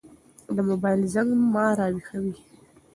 د موبايل زنګ ما راويښوي.